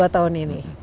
dua tahun ini